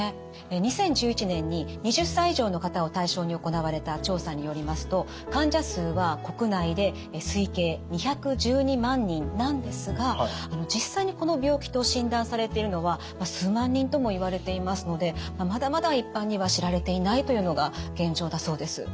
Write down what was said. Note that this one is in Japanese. ２０１１年に２０歳以上の方を対象に行われた調査によりますと患者数は国内で推計２１２万人なんですが実際にこの病気と診断されているのは数万人ともいわれていますのでまだまだ一般には知られていないというのが現状だそうです。